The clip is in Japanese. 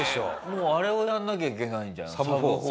もうあれをやんなきゃいけないじゃんサブ４を。